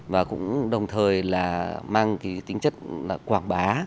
và cũng đồng thời là mang cái tính chất là quảng bá